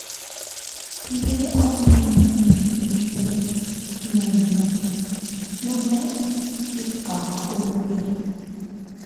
Ndi a innu iyuu se gne muʼu, nome a ikaa ubi.